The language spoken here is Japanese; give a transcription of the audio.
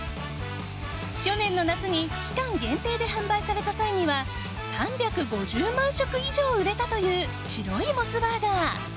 去年の夏に期間限定で販売された際には３５０万食以上売れたという白いモスバーガー。